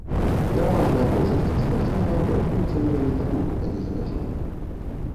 Пераважная большасць спартсменаў рыхтуецца менавіта тут, а не за мяжой.